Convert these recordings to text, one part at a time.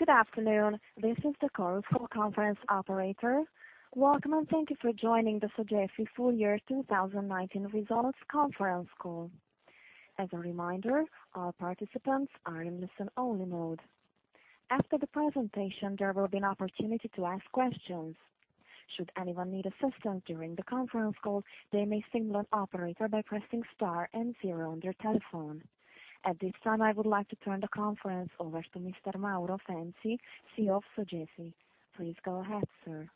Good afternoon. This is the Chorus Call Conference operator. Welcome, and thank you for joining the Sogefi full year 2019 results conference call. As a reminder, all participants are in listen only mode. After the presentation, there will be an opportunity to ask questions. Should anyone need assistance during the conference call, they may signal an operator by pressing star and zero on their telephone. At this time, I would like to turn the conference over to Mr. Mauro Fenzi, CEO of Sogefi. Please go ahead, sir.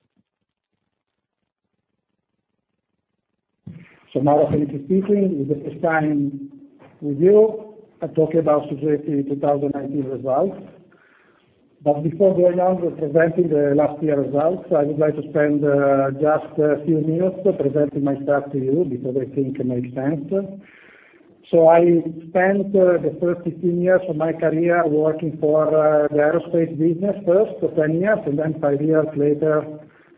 Mauro Fenzi speaking. It's the first time with you. I'll talk about Sogefi 2019 results. Before going on with presenting the last year results, I would like to spend just a few minutes presenting myself to you because I think it makes sense. I spent the first 15 years of my career working for the aerospace business, first for 10 years, and then five years later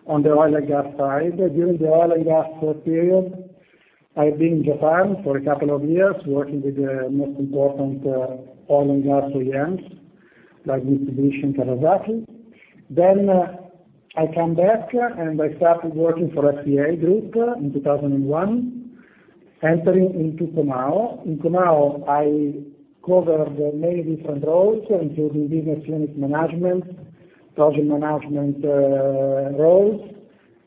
on the oil and gas side. During the oil and gas work period, I've been in Japan for a couple of years working with the most important oil and gas OEMs, like Mitsubishi, Kawasaki. I came back, and I started working for FCA Group in 2001, entering into Comau. In Comau, I covered many different roles, including business unit management, project management roles.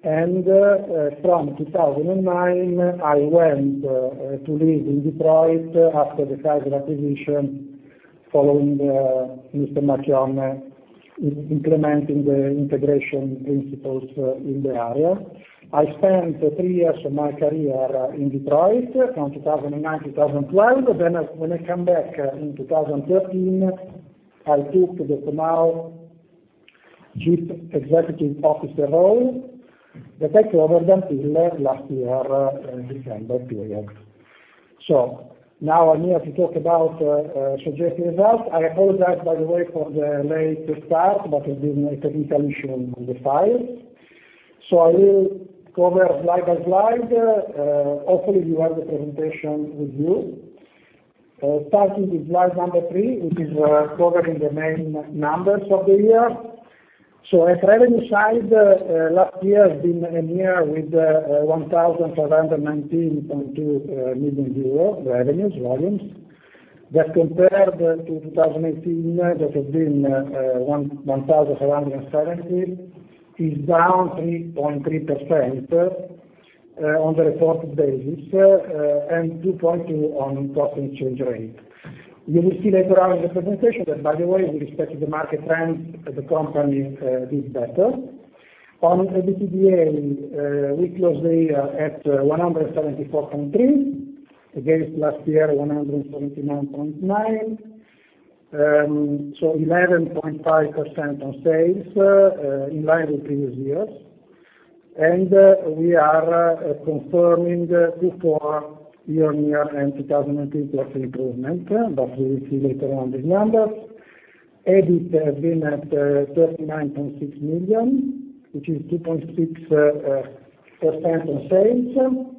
From 2009, I went to live in Detroit after the Chrysler acquisition, following Mr. Marchionne, implementing the integration principles in the area. I spent three years of my career in Detroit from 2009 to 2012. When I come back in 2013, I took the Comau Chief Executive Officer role that I covered until last year, December period. Now I'm here to talk about Sogefi results. I apologize, by the way, for the late start, but it was a technical issue with the files. I will cover slide by slide. Hopefully, you have the presentation with you. Starting with slide number three, which is covering the main numbers of the year. At revenue side, last year has been a year with 1,519.2 euro revenues volumes. That compared to 2018, that has been 1,770, is down 3.3% on the reported basis, and 2.2% on constant change rate. You will see later on in the presentation that, by the way, with respect to the market trends, the company did better. On EBITDA, we closely are at 174.3 against last year, 179.9. 11.5% on sales, in line with previous years. We are confirming Q4 year-over-year and 2019 growth improvement, we will see later on these numbers. EBITDA has been at 39.6 million, which is 2.6% on sales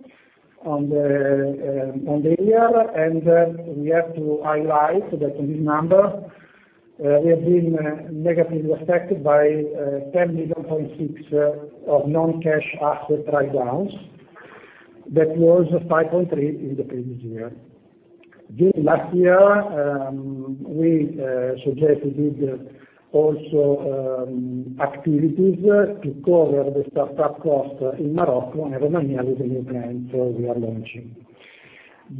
on the year. We have to highlight that in this number, we have been negatively affected by 10.6 million of non-cash asset write downs. That was 5.3 million in the previous year. During last year, Sogefi did also activities to cover the startup cost in Morocco and Romania with the new brands we are launching.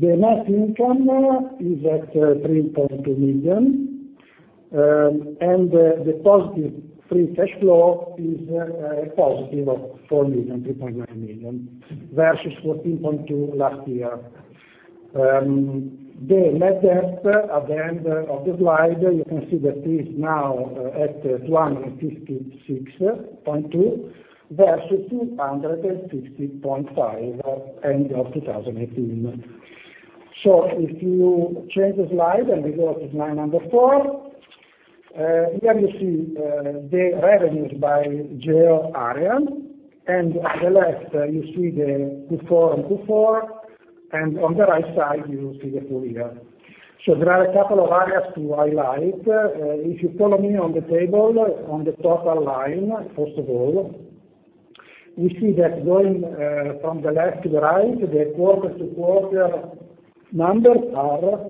The net income is at 3.2 million. The positive free cash flow is positive of 4 million, 3.9 million, versus 14.2 million last year. The net debt at the end of the slide, you can see that is now at 156.2 million versus 250.5 million end of 2018. If you change the slide and we go to slide number four, here you see the revenues by geo area. On the left you see the Q4 on Q4, and on the right side, you see the full year. There are a couple of areas to highlight. If you follow me on the table, on the total line, first of all, we see that going from the left to the right, the quarter-to-quarter numbers are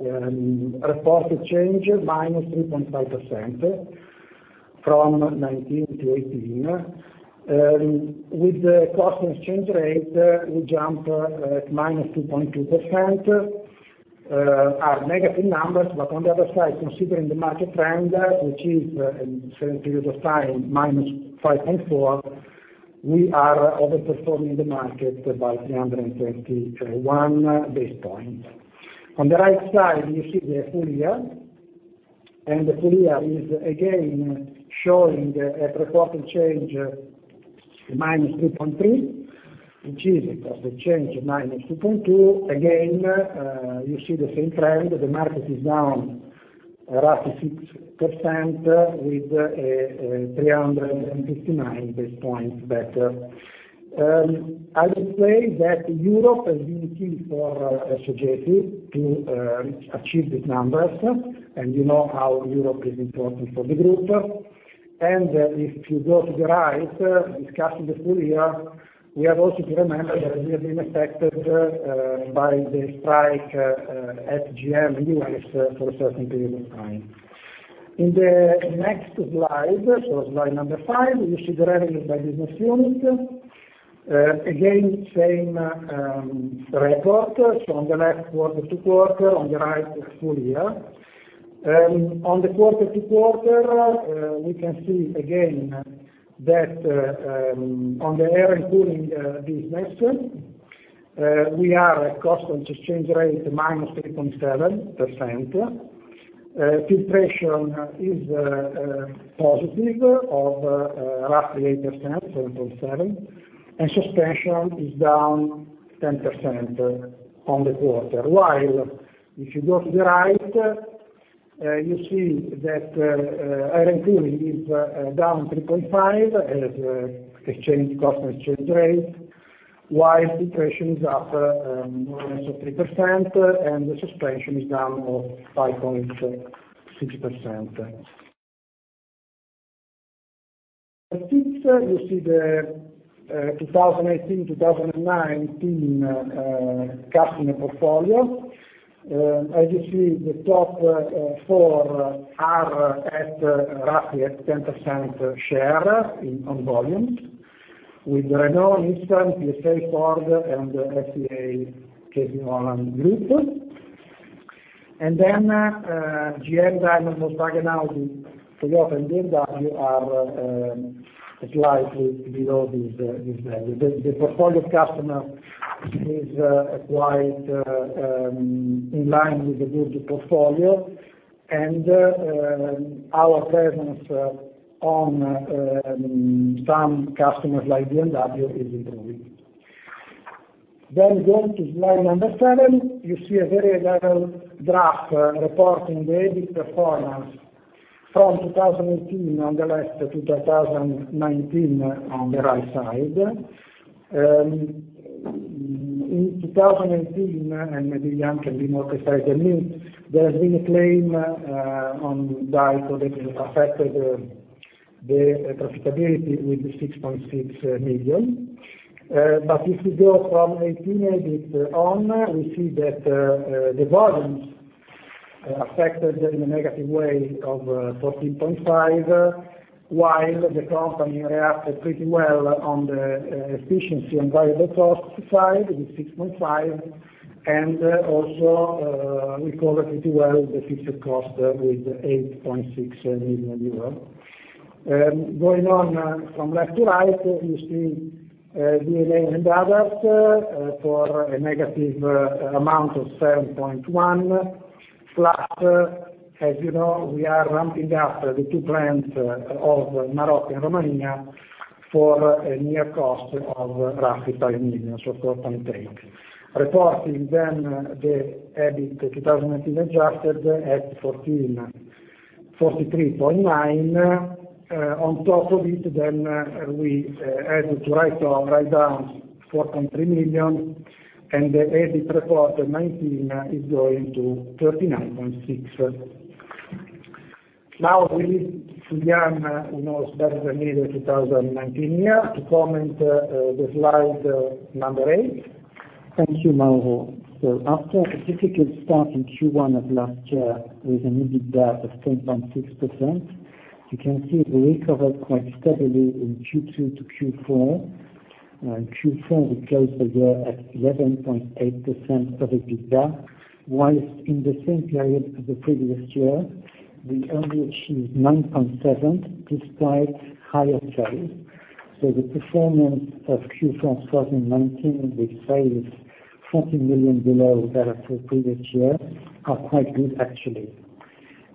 reported change -3.5% from 2019 to 2018. With the constant exchange rate, we jump at -2.2%, are negative numbers, but on the other side, considering the market trend, which is in the same period of time, -5.4%, we are over-performing the market by 321 basis points. On the right side, you see the full year. The full year is again showing a reported change, -3.3%, which is because the change of -2.2%. Again, you see the same trend. The market is down roughly 6% with 359 basis points better. I would say that Europe is the key for Sogefi to achieve these numbers, and you know how Europe is important for the group. If you go to the right, discussing the full year, we have also to remember that we have been affected by the strike at GM U.S. for a certain period of time. In the next slide number five, you see the revenues by business unit. Again, same report. On the left quarter-to-quarter, on the right full year. On the quarter-to-quarter, we can see again that on the Air and Cooling business, we are at cost on exchange rate -3.7%. Filtration is positive of roughly 8%, 7.7%, and Suspension is down 10% on the quarter. If you go to the right, you see that Air and Cooling is down 3.5% as exchange cost exchange rate, while Filtration is up more or less of 3%, and the Suspension is down of 5.6%. At six, you see the 2018-2019 customer portfolio. As you see, the top four are roughly at 10% share on volume, with Renault, Nissan, PSA, Ford, and the FCA/Stellantis group. GM, Daimler, Volkswagen, Audi, Peugeot, and BMW are slightly below this value. The portfolio customer is quite in line with the group portfolio, and our presence on some customers, like BMW, is improving. Going to slide number seven, you see a very level graph reporting the EBITDA performance from 2018 on the left to 2019 on the right side. In 2018, and maybe Yann can be more precise than me, there has been a claim on Dieco that has affected the profitability with the 6.6 million. If you go from 2018 EBITDA on, we see that the volumes affected in a negative way of 14.5 million, while the company reacted pretty well on the efficiency and variable cost side with 6.5 million, and also recovered pretty well the fixed cost with 8.6 million euros. Going on from left to right, you see D&A and others for a negative amount of 7.1, plus, as you know, we are ramping up the two plants of Morocco and Romania for a near cost of roughly 5 million. Reporting the EBITDA 2019 adjusted at 43.9. On top of it, we had to write down 4.3 million, and the EBITDA reported 2019 is going to 39.6. Now we leave to Yann, who knows better than me the 2019 year, to comment the slide number eight. Thank you, Mauro. After a difficult start in Q1 of last year with an EBITDA of 10.6%, you can see we recovered quite steadily in Q2 to Q4. Q4, we closed the year at 11.8% of EBITDA, whilst in the same period of the previous year, we only achieved 9.7%, despite higher sales. The performance of Q4 2019, with sales 40 million below that of the previous year, are quite good, actually.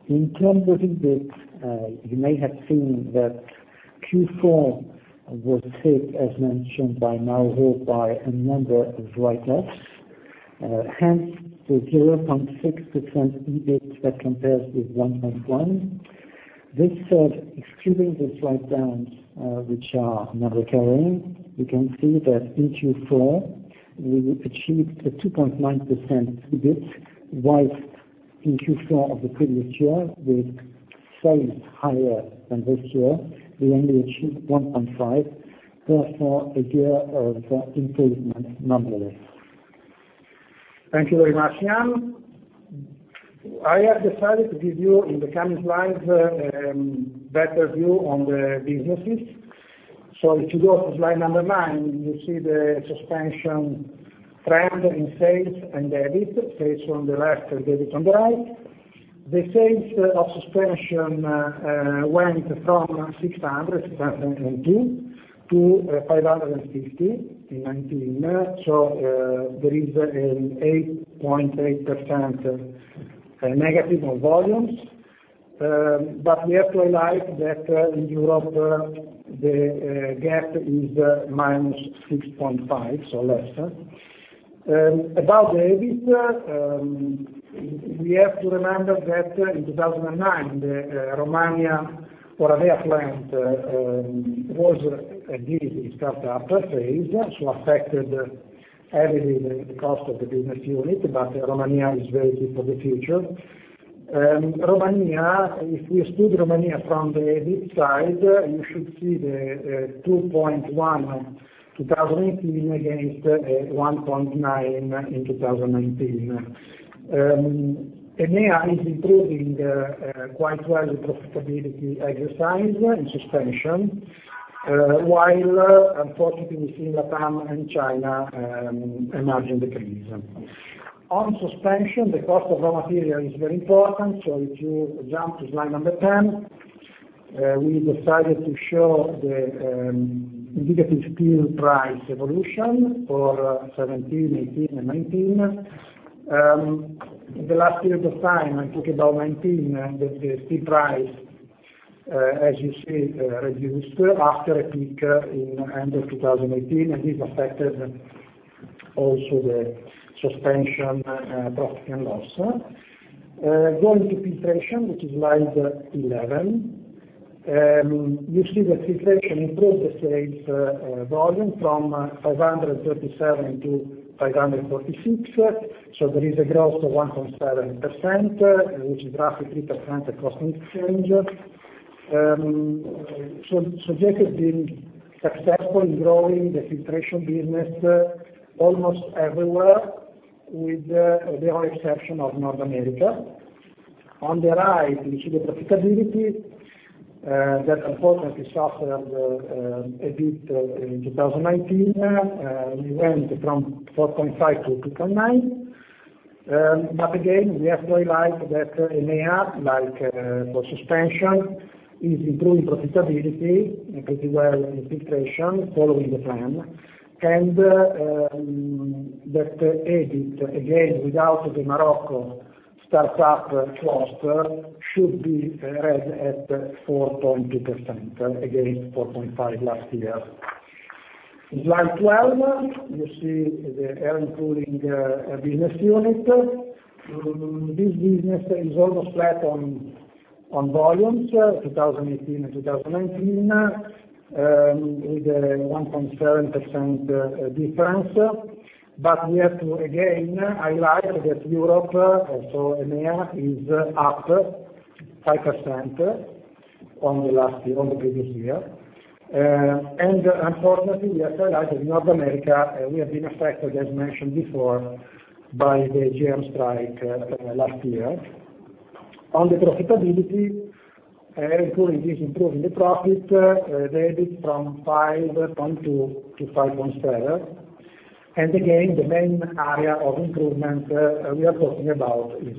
In terms of EBITDA, you may have seen that Q4 was hit, as mentioned by Mauro, by a number of write-offs, hence the 0.6% EBITDA that compares with 1.1%. This said, excluding these write-downs, which are non-recurring, you can see that in Q4, we achieved a 2.9% EBITDA, whilst in Q4 of the previous year, with sales higher than this year, we only achieved 1.5%, therefore a year of improvement nonetheless. Thank you very much, Yann. I have decided to give you, in the coming slides, a better view on the businesses. If you go to slide nine, you see the Suspension trend in sales and EBITDA, sales on the left and EBITDA on the right. The sales of Suspension went from 602 to 550 in 2019. There is an 8.8% negative on volumes. We have to highlight that in Europe, the gap is -6.5%, so less. About the EBITDA, we have to remember that in 2019, the Oradea, Romania plant was a difficult startup phase, so affected heavily the cost of the business unit, but Romania is very key for the future. If you exclude Romania from the EBITDA side, you should see the 2.1% in 2018 against 1.9% in 2019. EMEA is improving quite well the profitability exercise and Suspension, while unfortunately we see LATAM and China a margin decrease. On Suspension, the cost of raw material is very important. If you jump to slide number 10, we decided to show the indicative steel price evolution for 2017, 2018, and 2019. The last period of time, I talk about 2019, the steel price, as you see, reduced after a peak in end of 2018, and this affected also the Suspension profit and loss. Going to Filtration, which is slide 11. You see that Filtration improved the sales volume from 537 to 546, so there is a growth of 1.7%, which is roughly 3% across exchange. Sogefi being successful in growing the Filtration business almost everywhere, with the only exception of North America. On the right, you see the profitability, that unfortunately suffered a bit in 2019. We went from 4.5% to 2.9%. Again, we have to highlight that EMEA, like for Suspension, is improving profitability pretty well in Filtration following the plan, and that EBITDA, again, without the Morocco start up cost, should be read at 4.2%, against 4.5% last year. Slide 12, you see the Air and Cooling business unit. This business is almost flat on volumes 2018 and 2019, with a 1.7% difference. We have to, again, highlight that Europe, also EMEA, is up 5% on the previous year. Unfortunately, we have to highlight that North America, we have been affected, as mentioned before, by the GM strike last year. On the profitability, Air and Cooling is improving the profit, the EBITDA, from 5.2% to 5.7%. Again, the main area of improvement we are talking about is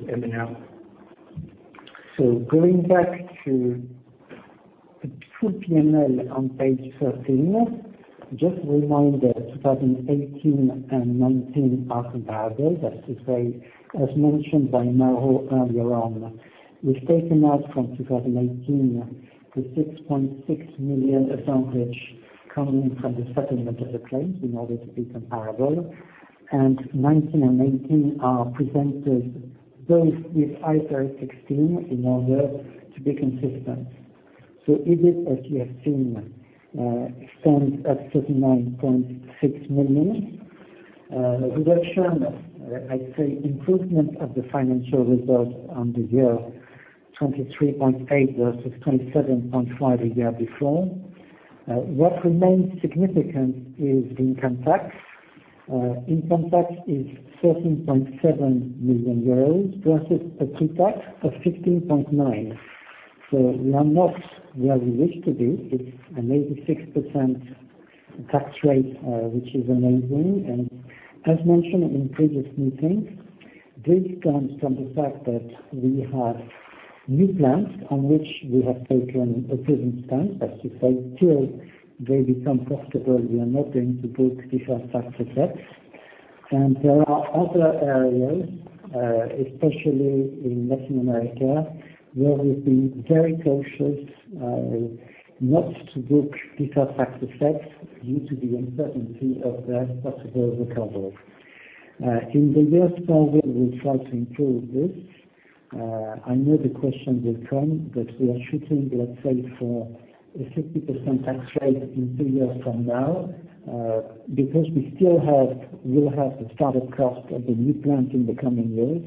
EMEA. Going back to the full P&L on page 13. Just a reminder, 2018 and 2019 are comparable. That to say, as mentioned by Mauro earlier on, we've taken out from 2018 the 6.6 million advantage coming from the settlement of the claim, in order to be comparable, and 2019 and 2018 are presented both with IFRS 16, in order to be consistent. EBITDA, as you have seen, stands at 39.6 million. Reduction, I'd say improvement of the financial result on the year, 23.8 versus 27.5 a year before. What remains significant is the income tax. Income tax is 13.7 million euros versus a pre-tax of 15.9. We are not where we wish to be. It's an 86% tax rate, which is amazing. As mentioned in previous meetings, this comes from the fact that we have new plants on which we have taken a prudent stance. That to say, till they become profitable, we are not going to book deferred tax assets. There are other areas, especially in Latin America, where we've been very cautious, not to book deferred tax assets due to the uncertainty of the possible recovery. In the years forward, we'll try to improve this. I know the question will come, we are shooting, let's say, for a 60% tax rate in two years from now. We still will have the start-up cost of the new plant in the coming years.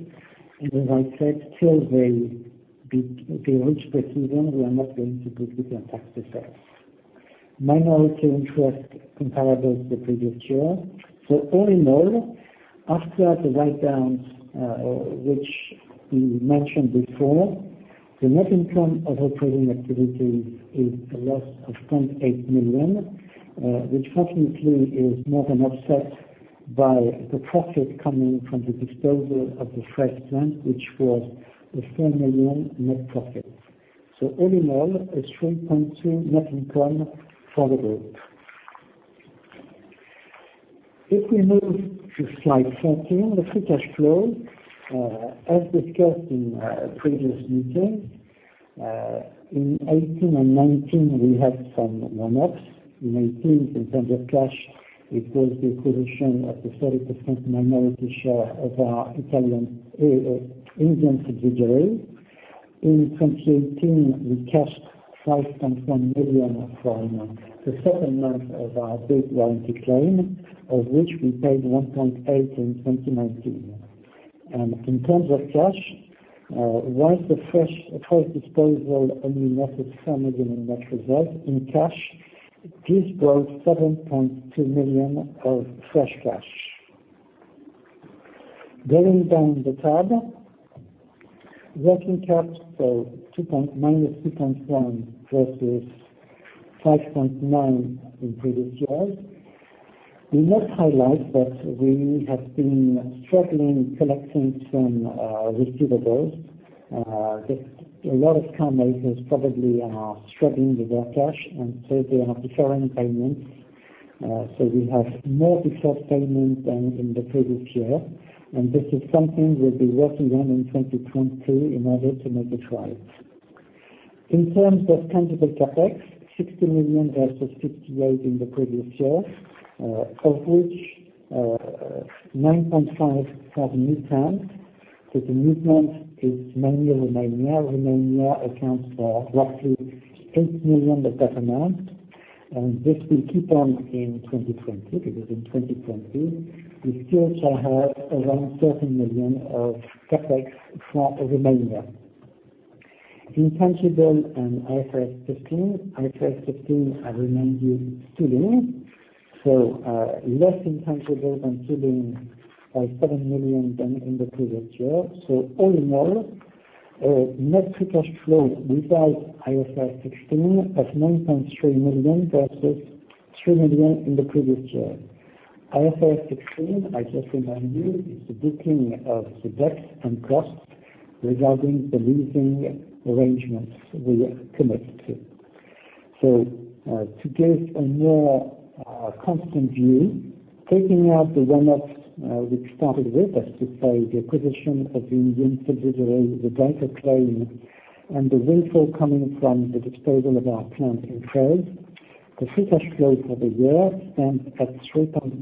As I said, till they reach breakeven, we are not going to book the tax assets. Minority interest comparable to the previous year. All in all, after the write-downs, which we mentioned before, the net income of our trading activities is a loss of 28 million, which fortunately is more than offset by the profit coming from the disposal of the French plant, which was a 4 million net profit. All in all, a 3.2 net income for the group. If we move to slide 14, the free cash flow. As discussed in previous meeting. In 2018 and 2019, we had some one-offs. In 2018, in terms of cash, it was the acquisition of the 30% minority share of our Italian-Indian subsidiary. In 2018, we cashed 5.1 million of 5. The second leg of our big warranty claim, of which we paid 1.8 in 2019. In terms of cash, whilst the fresh cost disposal only netted 7 million net reserves in cash, this brought 7.2 million of fresh cash. Going down the tab, working capital, -2.1 versus 5.9 in previous years. We must highlight that we have been struggling collecting some receivables. A lot of car makers probably are struggling with their cash, they are deferring payments. We have more deferred payment than in the previous year, and this is something we'll be working on in 2022 in order to make it right. In terms of tangible CapEx, 60 million versus 58 in the previous year, of which 9.5 had movement. The movement is mainly Romania. Romania accounts for roughly 8 million of that amount, and this will keep on in 2020, because in 2020 we still shall have around 30 million of CapEx for Romania. Intangible and IFRS 16. IFRS 16, I remind you, still in. Less intangible than still in by EUR 7 million than in the previous year. All in all, net free cash flow without IFRS 16 at 9.3 million versus 3 million in the previous year. IFRS 16, I just remind you, is the booking of the debt and cost regarding the leasing arrangements we commit to. To give a more constant view, taking out the one-offs which started with, that to say, the acquisition of the Indian subsidiary, the Dieco claim, and the windfall coming from the disposal of our plant in France, the free cash flow for the year stands at 3.9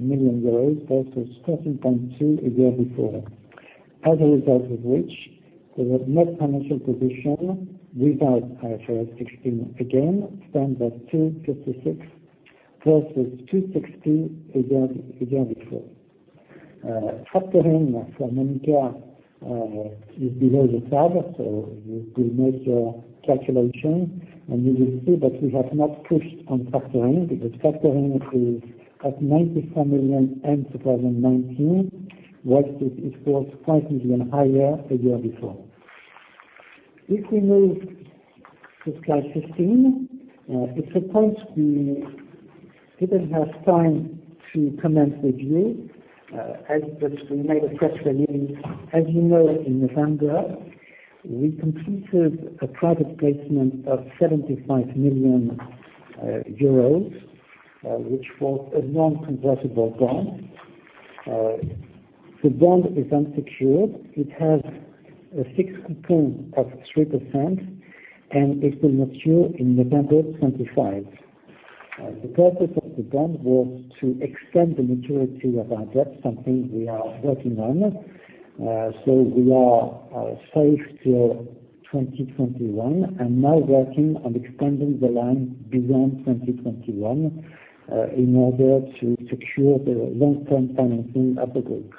million euros versus 13.2 a year before. As a result of which, the net financial position without IFRS 16 again stands at EUR 256 versus EUR 260 a year before. Factoring for Monnaria is below the tab, so you will make your calculation, and you will see that we have not pushed on factoring, because factoring is at 94 million end 2019, whilst it was 5 million higher a year before. If we move to slide 15, it's a point we didn't have time to comment with you, but we made a press release. As you know, in November, we completed a private placement of 75 million euros, which was a non-convertible bond. The bond is unsecured. It has a fixed coupon of 3%, and it will mature in November 2025. The purpose of the bond was to extend the maturity of our debt, something we are working on. We are safe till 2021, and now working on extending the line beyond 2021, in order to secure the long-term financing of the group.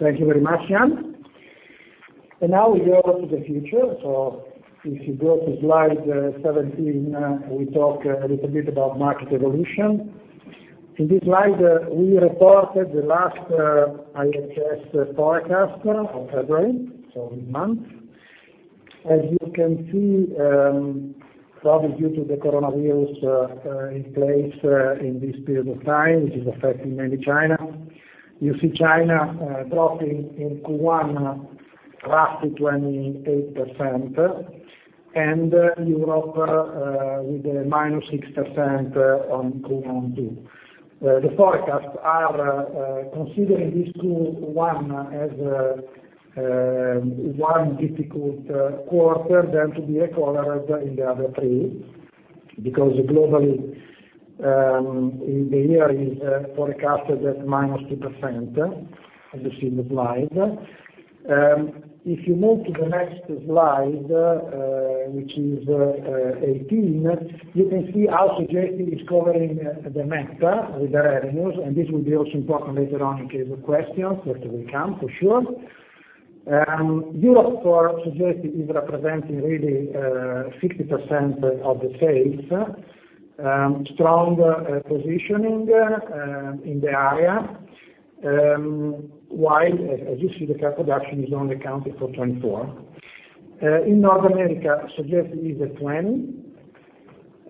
Thank you very much, Yann. Now we go to the future. If you go to slide 17, we talk a little bit about market evolution. In this slide, we reported the last IHS forecast of February, so in month. As you can see, probably due to the coronavirus in place in this period of time, which is affecting mainly China, you see China dropping in Q1 roughly 28%, and Europe with a -6% on Q1 too. The forecasts are considering this Q1 as one difficult quarter to be recovered in the other three, because globally, the year is forecasted at -2%, as you see in the slide. If you move to the next slide, which is 18, you can see how Sogefi is covering the market with the revenues, and this will be also important later on in case of questions, that will come for sure. Europe for Sogefi is representing really 60% of the sales, strong positioning in the area, while, as you see, the car production is only accounting for 24. In North America, Sogefi is at 20.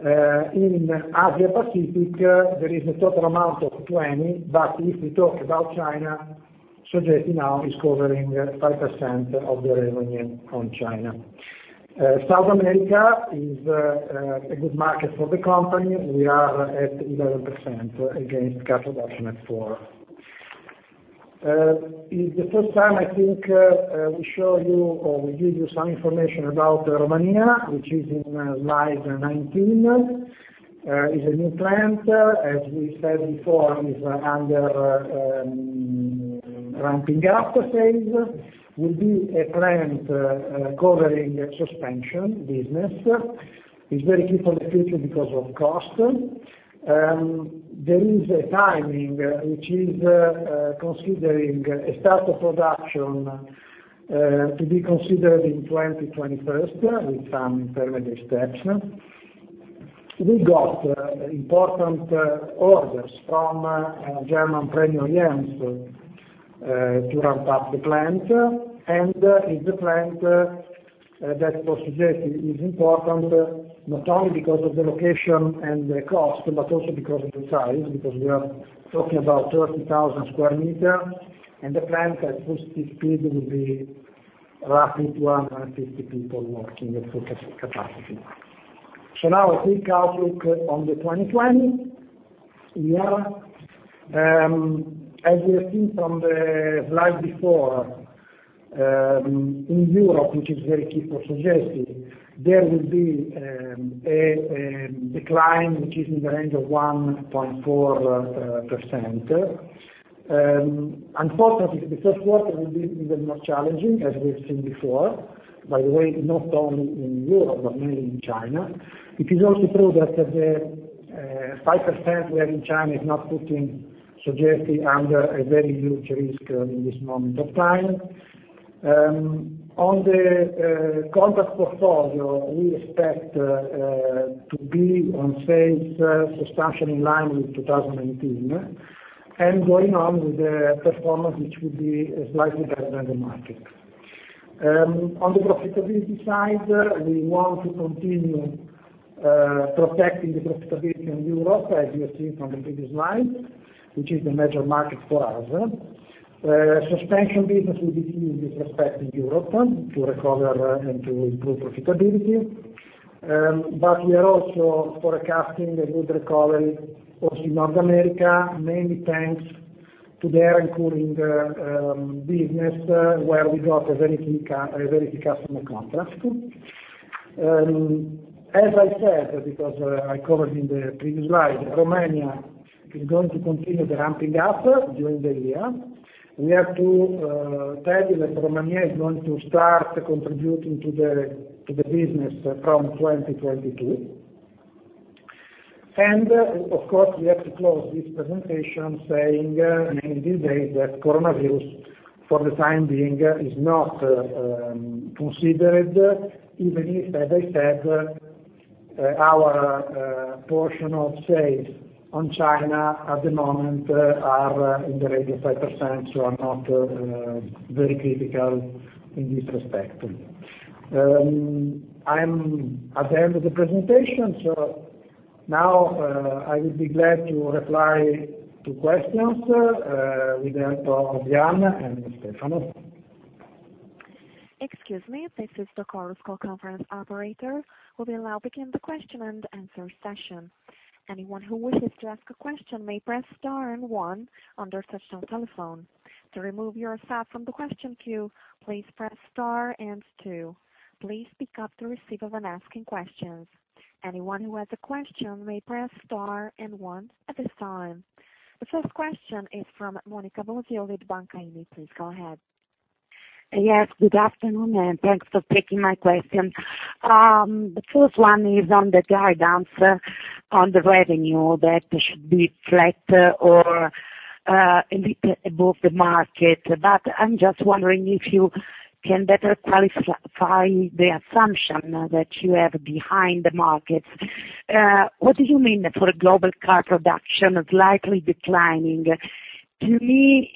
In Asia Pacific, there is a total amount of 20. If we talk about China, Sogefi now is covering 5% of the revenue on China. South America is a good market for the company. We are at 11% against car production at four. It's the first time, I think, we show you, or we give you some information about Romania, which is in slide 19. It's a new plant. As we said before, it's under ramping up phase. Will be a plant covering Suspension business. It's very key for the future because of cost. There is a timing, which is considering a start of production to be considered in 2021, with some intermediate steps. We got important orders from German premium OEMs to ramp up the plant, and it's a plant that, for Sogefi, is important not only because of the location and the cost, but also because of the size, because we are talking about 30,000 sq m and the plant at full speed will be roughly 150 people working at full capacity. Now a quick outlook on the 2020 year. As you have seen from the slide before, in Europe, which is very key for Sogefi, there will be a decline, which is in the range of 1.4%. Unfortunately, the first quarter will be even more challenging, as we have seen before. By the way, not only in Europe, but mainly in China. It is also true that the 5% we have in China is not putting Sogefi under a very huge risk in this moment of time. On the contract portfolio, we expect to be on sales substantially in line with 2019, and going on with the performance, which will be slightly better than the market. On the profitability side, we want to continue protecting the profitability in Europe, as you have seen from the previous slide, which is the major market for us. Suspension business will be key in this respect in Europe to recover and to improve profitability. We are also forecasting a good recovery also in North America, mainly thanks to the Air and Cooling business, where we got a very key customer contract. As I said, because I covered in the previous slide, Romania is going to continue the ramping up during the year. We have to tell you that Romania is going to start contributing to the business from 2022. Of course, we have to close this presentation saying, mainly these days, that coronavirus, for the time being, is not considered, even if, as I said, our portion of sales on China at the moment are in the range of 5%, are not very critical in this respect. I'm at the end of the presentation, now, I would be glad to reply to questions, with the help of Diana and Stefano. Excuse me, this is the Chorus Call conference operator. We'll now begin the question and answer session. Anyone who wishes to ask a question may press star and one on their touch-tone telephone. To remove yourself from the question queue, please press star and two. Please pick up to receive when asking questions. Anyone who has a question may press star and one at this time. The first question is from Monica Bosio with Intesa Sanpaolo. Please go ahead. Yes, good afternoon, thanks for taking my question. The first one is on the guidance on the revenue that should be flat or above the market. I'm just wondering if you can better qualify the assumption that you have behind the markets. What do you mean for global car production slightly declining? To me,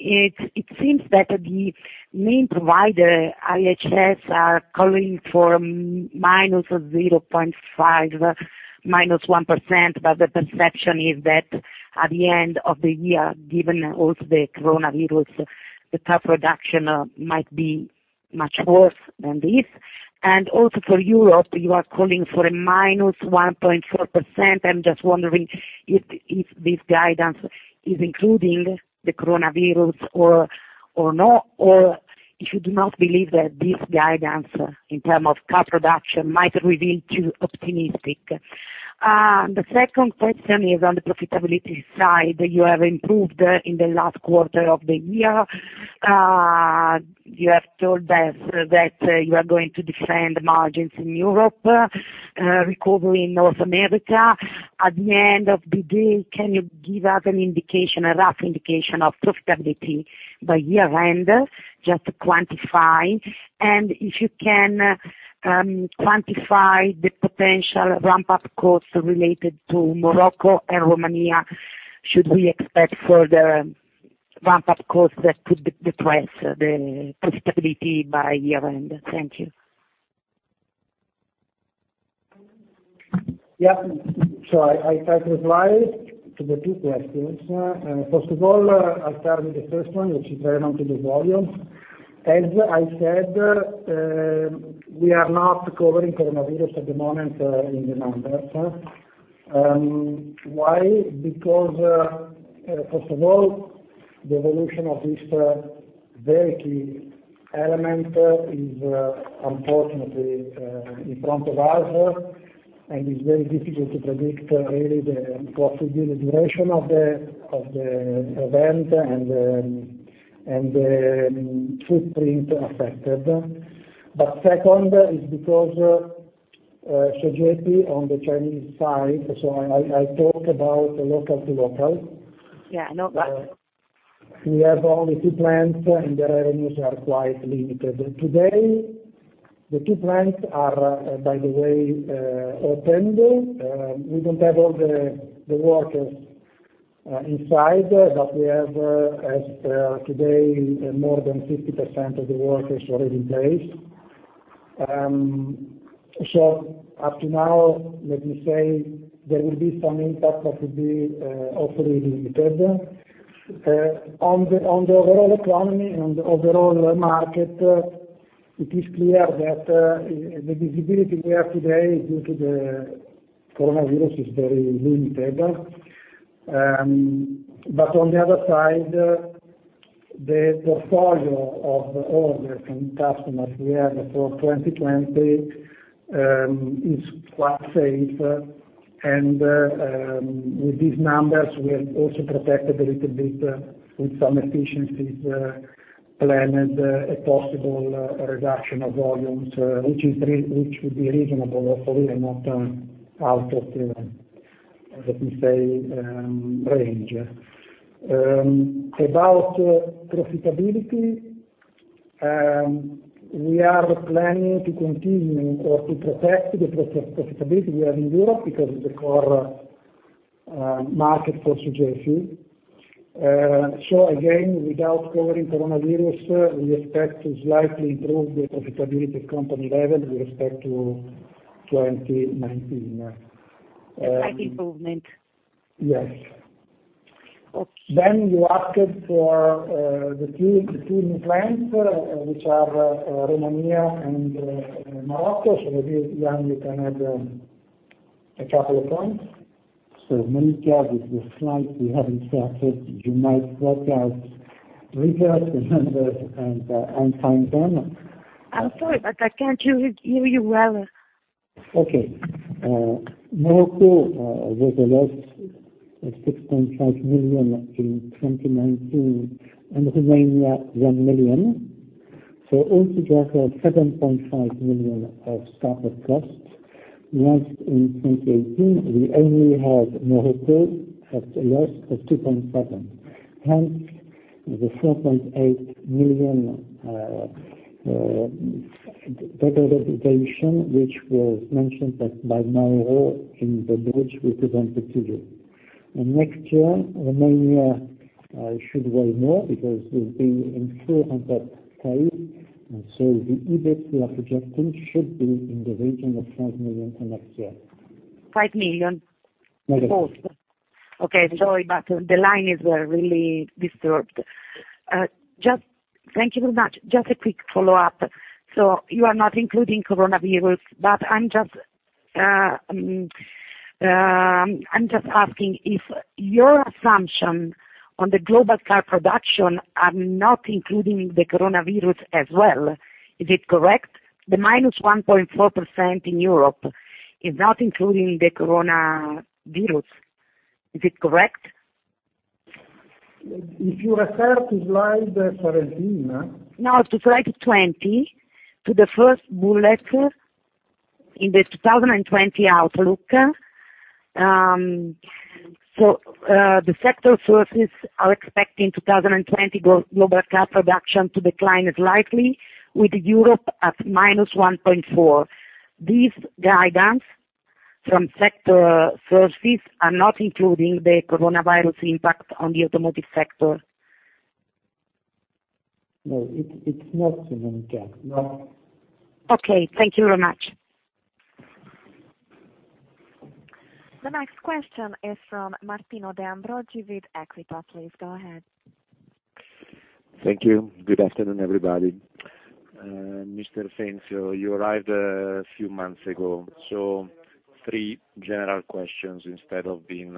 it seems that the main provider, IHS, are calling for -0.5%, -1%, but the perception is that at the end of the year, given also the coronavirus, the car production might be much worse than this. Also for Europe, you are calling for a -1.4%. I'm just wondering if this guidance is including the coronavirus or not, or if you do not believe that this guidance, in terms of car production, might reveal too optimistic. The second question is on the profitability side. You have improved in the last quarter of the year. You have told us that you are going to defend margins in Europe, recovery in North America. At the end of the day, can you give us an indication, a rough indication of profitability by year-end, just to quantify? If you can quantify the potential ramp-up cost related to Morocco and Romania, should we expect further ramp-up costs that could depress the profitability by year-end? Thank you. Yeah. I'll try to reply to the two questions. First of all, I'll start with the first one, which is relevant to the volume. As I said, we are not covering coronavirus at the moment in the numbers. Why? Because, first of all, the evolution of this very key element is unfortunately in front of us, and it's very difficult to predict really the possible duration of the event and the footprint affected. Second is because Sogefi on the Chinese side, so I talk about local to local. Yeah, no. We have only two plants, and their revenues are quite limited. Today, the two plants are, by the way, open. We don't have all the workers inside, but we have, as today, more than 50% of the workers already in place. Up to now, let me say there will be some impact that will be hopefully limited. On the overall economy and the overall market, it is clear that the visibility we have today due to the coronavirus is very limited. On the other side, the portfolio of orders from customers we have for 2020 is quite safe, and with these numbers, we are also protected a little bit with some efficiencies, planned a possible reduction of volumes, which would be reasonable, hopefully not out of the, let me say, range. About profitability, we are planning to continue or to protect the profitability we have in Europe because of the core market for Sogefi. Again, without covering coronavirus, we expect to slightly improve the profitability at company level with respect to 2019. Slight improvement? Yes. Okay. You asked for the two new plants, which are Romania and Morocco. If you, Yann, you can add a couple of points. Monica, with the slides we haven't shared, you might work out, read us the numbers, and I'll find them. I'm sorry, but I can't hear you well. Okay. Morocco was a loss of 6.5 million in 2019, and Romania, 1 million. All together, 7.5 million of startup costs. Last, in 2018, we only had Morocco at a loss of 2.7 million. Hence, the 4.8 million better representation, which was mentioned by Mauro in the notes we presented to you. Next year, Romania should weigh more because we'll be in full on that site. The EBITDA we are projecting should be in the region of 5 million in next year. 5 million? Negative. Okay. Sorry, but the line is really disturbed. Thank you very much. Just a quick follow-up. You are not including coronavirus, but I am just asking if your assumption on the global car production are not including the coronavirus as well. Is it correct? The -1.4% in Europe is not including the coronavirus. Is it correct? If you refer to slide 14. No, to slide 20, to the first bullet in the 2020 outlook. The sector sources are expecting 2020 global car production to decline slightly with Europe at -1.4%. This guidance from sector sources are not including the coronavirus impact on the automotive sector. No, it's not, Monica. No. Okay. Thank you very much. The next question is from Martino De Ambroggi with Equita. Please go ahead. Thank you. Good afternoon, everybody. Mr. Fenzi, you arrived a few months ago. Three general questions instead of being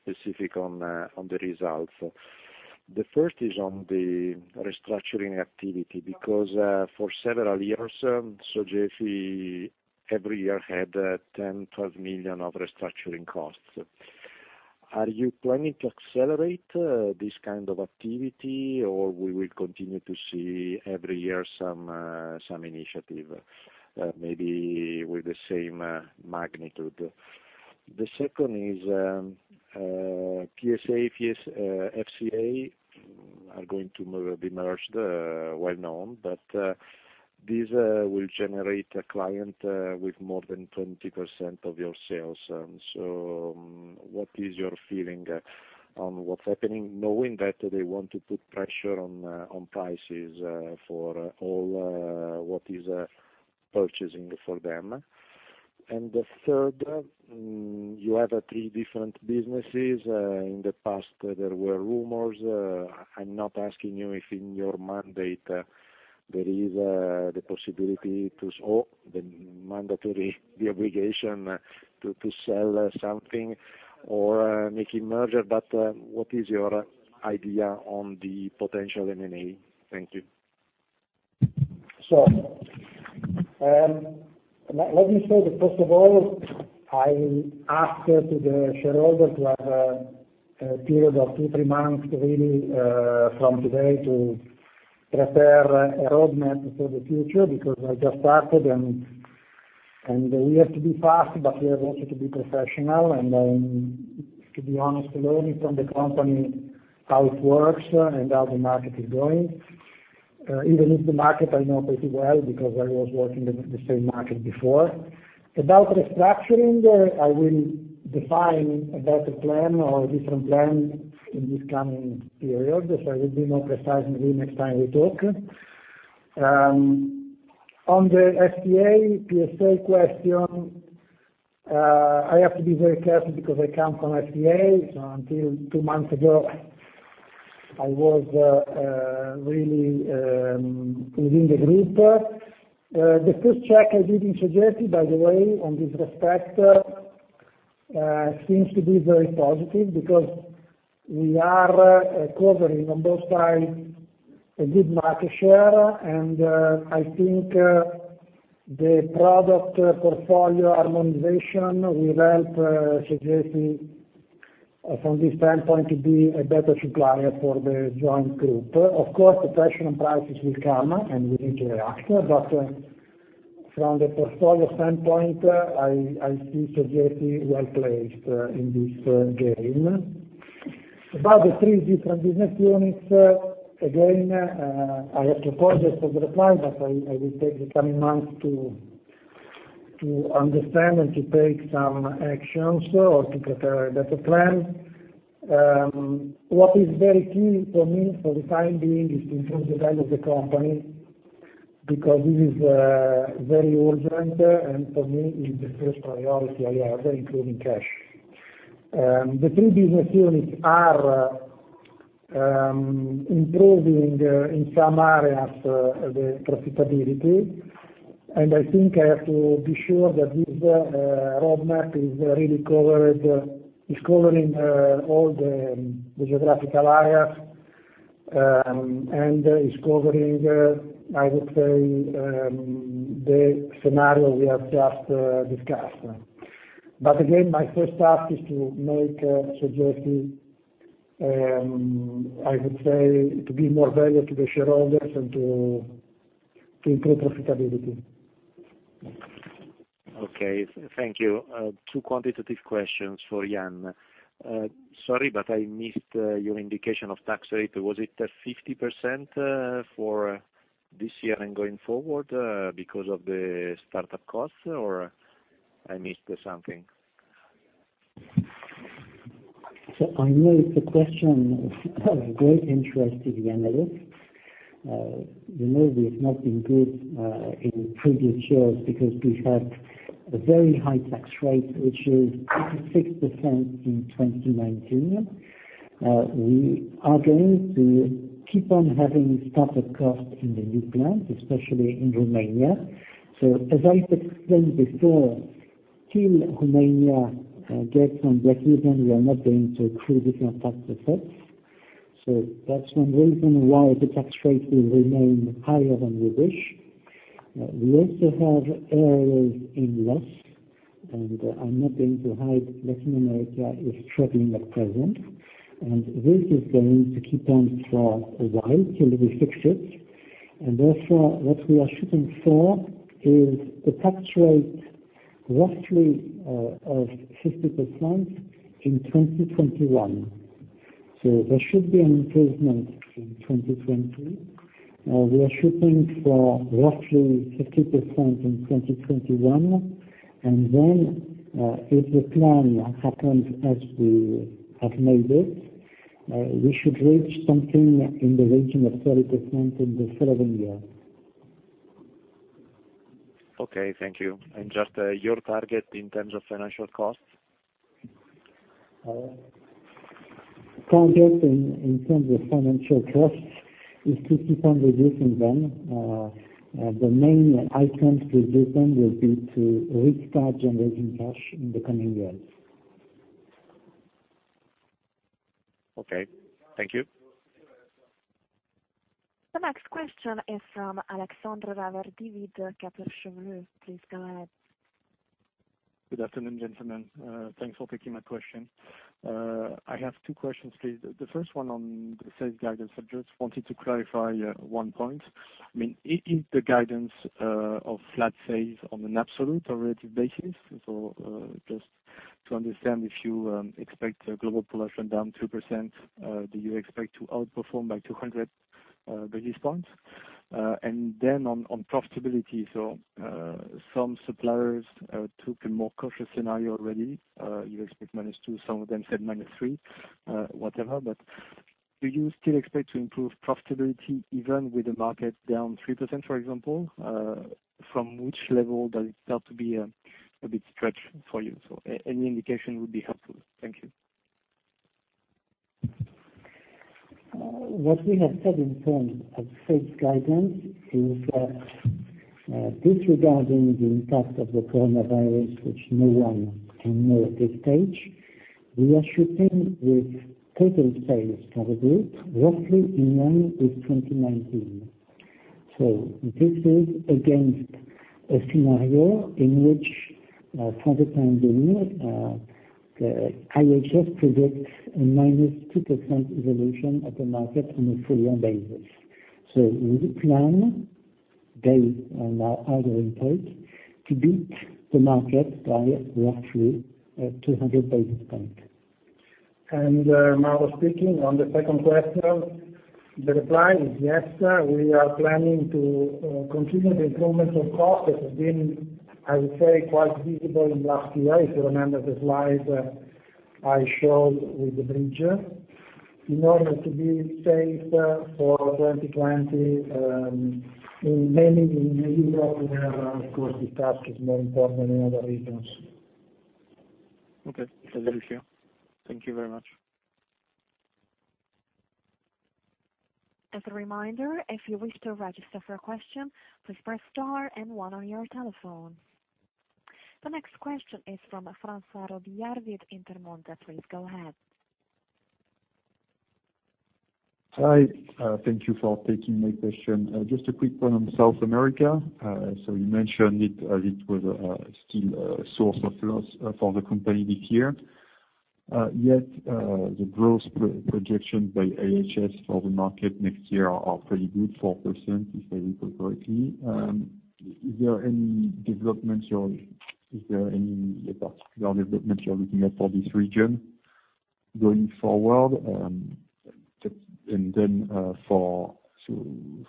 specific on the results. The first is on the restructuring activity, because for several years, Sogefi every year had 10 million, 12 million of restructuring costs. Are you planning to accelerate this kind of activity, or we will continue to see every year some initiative, maybe with the same magnitude? The second is, PSA, FCA are going to be merged, well known, but this will generate a client with more than 20% of your sales. What is your feeling on what's happening, knowing that they want to put pressure on prices for all what is purchasing for them? The third, you have three different businesses. In the past, there were rumors. I'm not asking you if in your mandate, there is the possibility or the mandatory obligation to sell something or making merger, but what is your idea on the potential M&A? Thank you. Let me say that, first of all, I asked the shareholders to have a period of two, three months really from today to prepare a roadmap for the future, because I just started, and we have to be fast, but we have also to be professional. To be honest, learning from the company, how it works and how the market is going. Even if the market I know pretty well, because I was working in the same market before. About restructuring, I will define a better plan or a different plan in this coming period, I will be more precise maybe next time we talk. On the FCA PSA question, I have to be very careful because I come from FCA. Until two months ago, I was really within the group. The first check I did in Sogefi, by the way, on this respect, seems to be very positive because we are covering on both sides a good market share, and I think the product portfolio harmonization will help Sogefi from this standpoint to be a better supplier for the joint group. Of course, pressure on prices will come, and we need to react. From the portfolio standpoint, I see Sogefi well-placed in this game. About the three different business units, again, I have to apologize for the reply, but I will take the coming months to understand and to take some actions or to prepare a better plan. What is very key for me for the time being is to improve the value of the company, because this is very urgent, and for me, it's the first priority I have, including cash. The three business units are improving in some areas, the profitability. I think I have to be sure that this roadmap is covering all the geographical areas, and it's covering, I would say, the scenario we have just discussed. Again, my first task is to make Sogefi, I would say, to give more value to the shareholders and to improve profitability. Okay. Thank you. Two quantitative questions for Yann. Sorry, I missed your indication of tax rate. Was it 50% for this year and going forward because of the startup cost, or I missed something? I know it's a question of great interest to the analysts. You know we have not been good in previous years because we've had a very high tax rate, which is 56% in 2019. We are going to keep on having startup costs in the new plants, especially in Romania. As I explained before, till Romania gets on black ink, we are not going to accrue different tax effects. That's one reason why the tax rate will remain higher than we wish. We also have areas in loss, and I'm not going to hide, Latin America is struggling at present, and this is going to keep on for a while till we fix it. Therefore, what we are shooting for is a tax rate roughly of 60% in 2021. There should be an improvement in 2020. We are shooting for roughly 50% in 2021. If the plan happens as we have made it, we should reach something in the region of 30% in the following year. Okay. Thank you. Just your target in terms of financial costs? Our target in terms of financial costs is to keep on reducing them. The main item to reduce them will be to restart generating cash in the coming years. Okay. Thank you. The next question is from Alexandre Raverdy, Kepler Cheuvreux. Please go ahead. Good afternoon, gentlemen. Thanks for taking my question. I have two questions, please. The first one on the sales guidance. I just wanted to clarify one point. I mean, is the guidance of flat sales on an absolute or relative basis? Just to understand if you expect global production down 2%, do you expect to outperform by 200 basis points? Then on profitability, some suppliers took a more cautious scenario already. You expect -2, some of them said -3, whatever. Do you still expect to improve profitability even with the market down 3%, for example? From which level does it start to be a bit stretched for you? Any indication would be helpful. Thank you. What we have said in terms of sales guidance is that, disregarding the impact of the coronavirus, which no one can know at this stage, we are shooting with total sales for the group, roughly in line with 2019. This is against a scenario in which, for the time being, the IHS predicts a -2% evolution of the market on a full year basis. We plan, based on our other input, to beat the market by roughly 200 basis points. Mauro speaking. On the second question, the reply is yes. We are planning to continue the improvements on cost that have been, I would say, quite visible in last year, if you remember the slide I showed with the bridge. In order to be safe for 2020, mainly in Europe, where, of course, this task is more important than in other regions. Okay. That's clear. Thank you very much. As a reminder, if you wish to register for a question, please press star and one on your telephone. The next question is from François Robillard with Intermonte. Please go ahead. Hi. Thank you for taking my question. Just a quick one on South America. You mentioned it as it was still a source of loss for the company this year. The growth projection by IHS for the market next year are pretty good, 4%, if I recall correctly. Is there any particular developments you are looking at for this region going forward?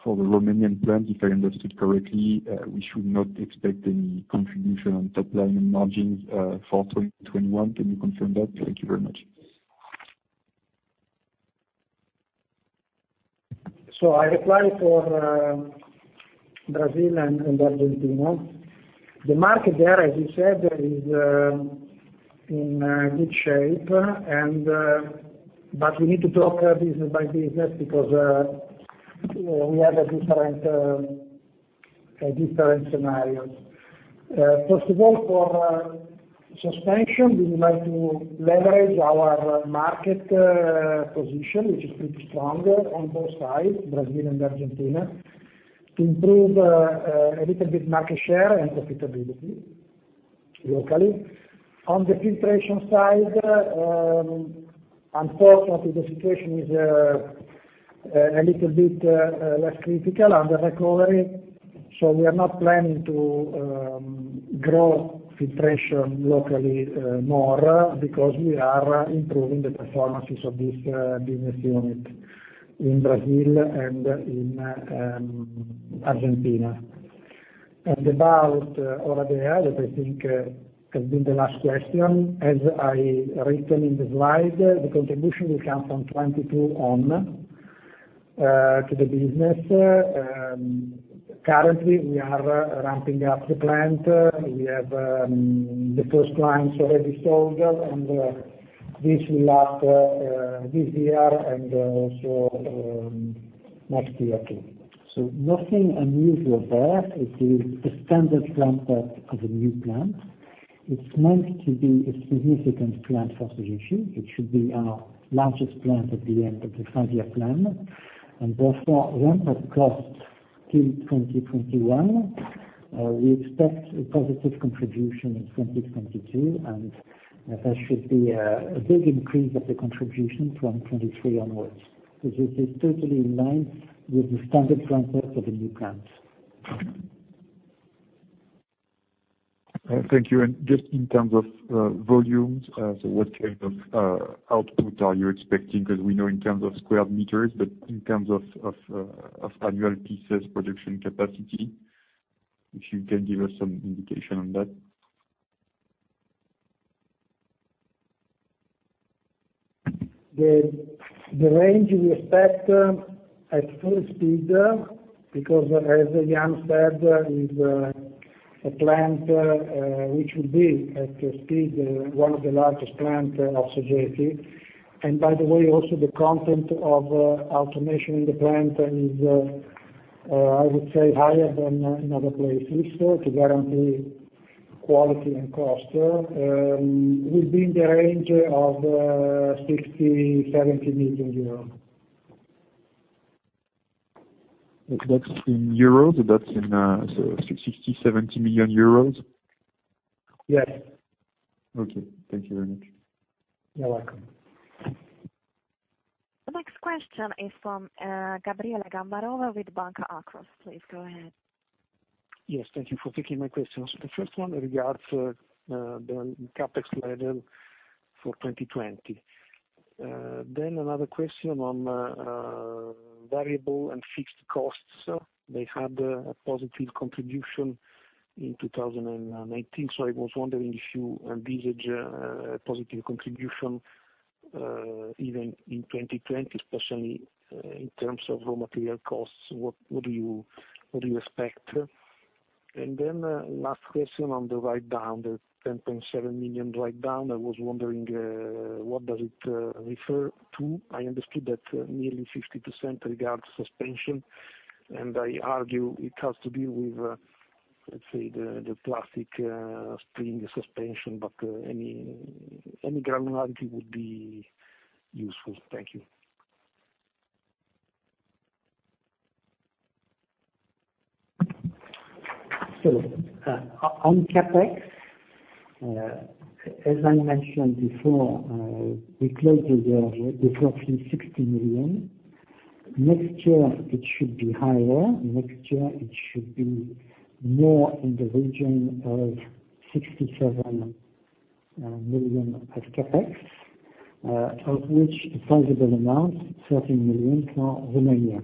For the Romanian plant, if I understood correctly, we should not expect any contribution on top line margins for 2021. Can you confirm that? Thank you very much. I reply for Brazil and Argentina. The market there, as you said, is in good shape. We need to talk business by business because we have different scenarios. First of all, for Suspension, we would like to leverage our market position, which is pretty strong on both sides, Brazil and Argentina, to improve a little bit market share and profitability locally. On the Filtration side, unfortunately, the situation is a little bit less critical, under recovery. We are not planning to grow Filtration locally more because we are improving the performances of this business unit in Brazil and in Argentina. About Oradea, that I think has been the last question, as I written in the slide, the contribution will come from 2022 on to the business. Currently, we are ramping up the plant. We have the first clients already sold, and this will last this year and also next year, too. Nothing unusual there. It is the standard ramp-up of a new plant. It is meant to be a significant plant for Sogefi. It should be our largest plant at the end of the five-year plan. Therefore, ramp-up costs till 2021. We expect a positive contribution in 2022, and there should be a big increase of the contribution from 2023 onwards. This is totally in line with the standard ramp-up of a new plant. Thank you. Just in terms of volumes, what kind of output are you expecting? We know in terms of square meters, but in terms of annual pieces production capacity, if you can give us some indication on that. The range we expect at full speed, because as Yann said, is a plant which will be at speed one of the largest plant of Sogefi. By the way, also the content of automation in the plant is, I would say, higher than in other places to guarantee quality and cost, will be in the range of 60 million-70 million euros. That's in euros? That's in 60 million-70 million euros? Yes. Okay. Thank you very much. You're welcome. The next question is from Gabriele Gambarova with Banca Akros. Please go ahead. Yes, thank you for taking my questions. The first one regards the CapEx level for 2020. Another question on variable and fixed costs. They had a positive contribution in 2019. I was wondering if you envisage a positive contribution even in 2020, especially in terms of raw material costs. What do you expect? Last question on the writedown, the 10.7 million writedown. I was wondering, what does it refer to? I understood that nearly 50% regards Suspension, and I argue it has to do with, let's say, the classic spring Suspension, but any granularity would be useful. Thank you. On CapEx, as I mentioned before, we closed the year with roughly 60 million. Next year, it should be higher. Next year, it should be more in the region of 67 million of CapEx, of which a sizable amount, 30 million, are Romania.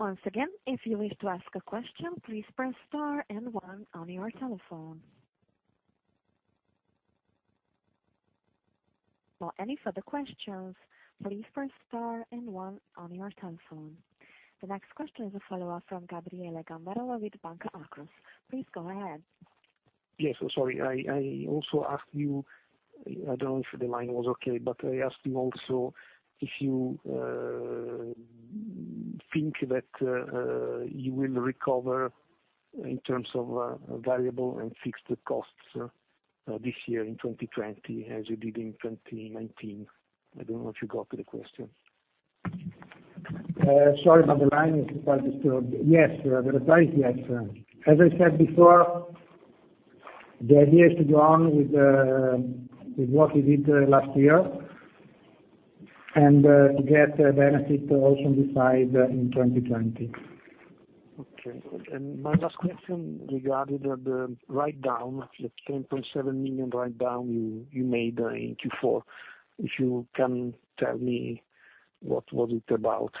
Once again, if you wish to ask a question, please press star and one on your telephone. For any further questions, please press star and one on your telephone. The next question is a follow-up from Gabriele Gambarova with Banca Akros. Please go ahead. Yes. Sorry, I also asked you, I don't know if the line was okay, but I asked you also if you think that you will recover in terms of variable and fixed costs this year in 2020 as you did in 2019. I don't know if you got the question. Sorry about the line. It was quite disturbed. Yes, the reply is yes. As I said before, the idea is to go on with what we did last year, and to get a benefit also this side in 2020. Okay. My last question regarding the writedown, the 10.7 million writedown you made in Q4, if you can tell me what was it about?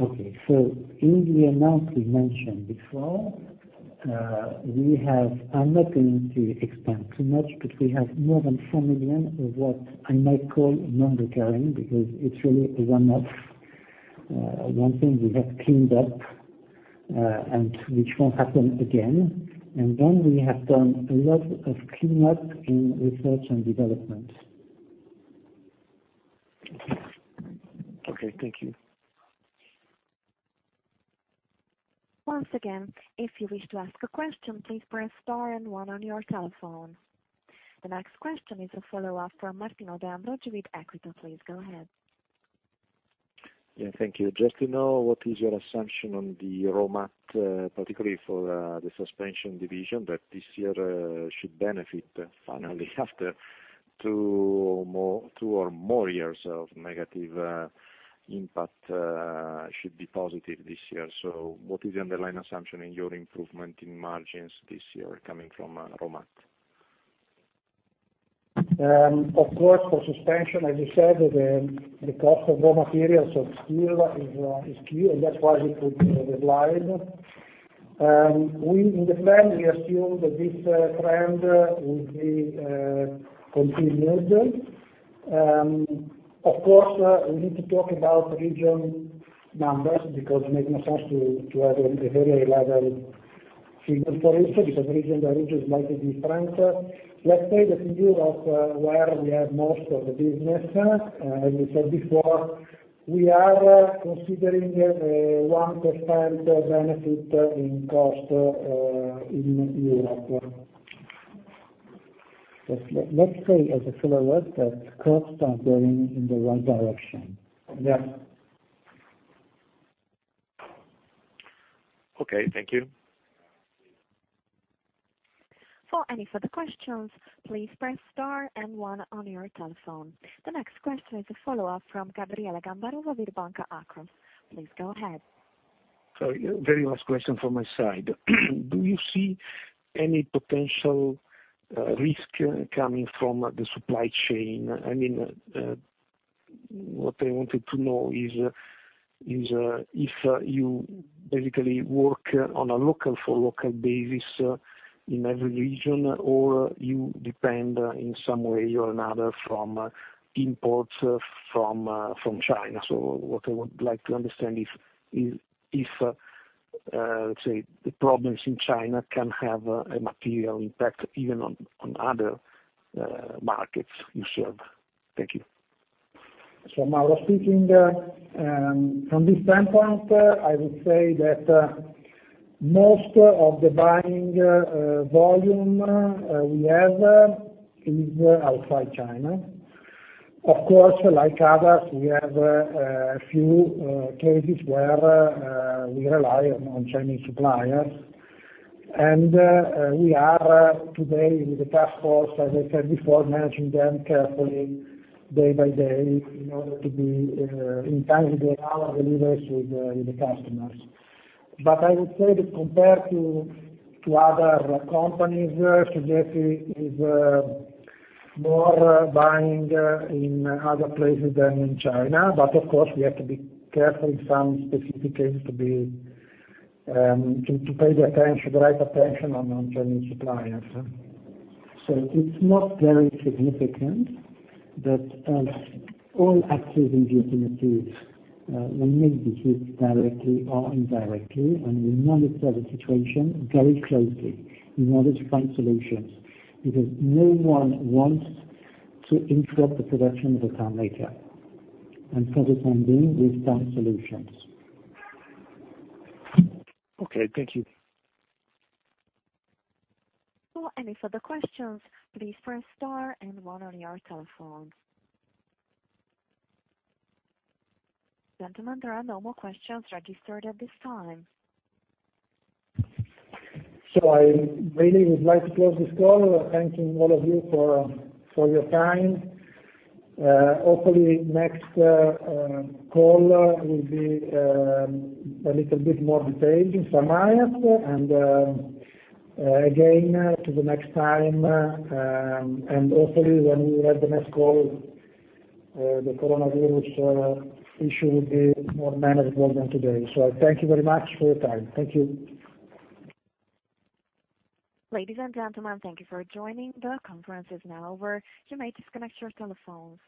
Okay. In the amount we mentioned before, I'm not going to expand too much, but we have more than 4 million of what I might call non-recurring, because it's really a one-off, one thing we have cleaned up, and which won't happen again. Then we have done a lot of cleanup in research and development. Okay. Thank you. Once again, if you wish to ask a question, please press star and one on your telephone. The next question is a follow-up from Martino De Ambroggi with Equita. Please go ahead. Yeah. Thank you. Just to know, what is your assumption on the raw mat, particularly for the Suspension Division that this year should benefit finally after two or more years of negative impact, should be positive this year. What is the underlying assumption in your improvement in margins this year coming from raw mat? Of course, for Suspension, as you said, the cost of raw materials of steel is key, and that's why it would be relied. In the plan, we assume that this trend will be continued. Of course, we need to talk about region numbers because it makes no sense to have a very level figure for it, because region by region is slightly different. Let's say that in Europe, where we have most of the business, as we said before, we are considering a 1% benefit in cost in Europe. Let's say as a follow-up that costs are going in the right direction. Yes. Okay. Thank you. For any further questions, please press Star and one on your telephone. The next question is a follow-up from Gabriele Gambarova with Banca Akros. Please go ahead. Sorry, very last question from my side. Do you see any potential risk coming from the supply chain? What I wanted to know is, if you basically work on a local-for-local basis in every region, or you depend in some way or another from imports from China. What I would like to understand is, if, let's say, the problems in China can have a material impact even on other markets you serve. Thank you. From our speaking, from this standpoint, I would say that most of the buying volume we have is outside China. Of course, like others, we have a few cases where we rely on Chinese suppliers, and we are today with the task force, as I said before, managing them carefully day-by-day in order to be in time to get our deliveries with the customers. I would say that compared to other companies, Sogefi is more buying in other places than in China. Of course, we have to be careful in some specific cases to pay the right attention on Chinese suppliers. It's not very significant, but as all actors in the automotive, we may be hit directly or indirectly, and we monitor the situation very closely. We monitor different solutions, because no one wants to interrupt the production of a car maker. For the time being, we've found solutions. Okay. Thank you. For any further questions, please press star and one on your telephones. Gentlemen, there are no more questions registered at this time. I really would like to close this call, thanking all of you for your time. Hopefully, next call will be a little bit more detailed in some areas. Again, to the next time, and hopefully when we have the next call, the coronavirus issue will be more manageable than today. I thank you very much for your time. Thank you. Ladies and gentlemen, thank you for joining. The conference is now over. You may disconnect your telephones.